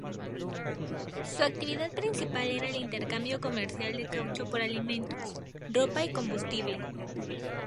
Su actividad principal era el intercambio comercial del caucho por alimentos, ropa y combustible.